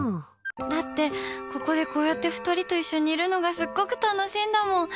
だってここでこうやって２人と一緒にいるのがすっごく楽しいんだもん！